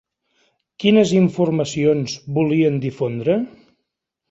Quines informacions volien difondre?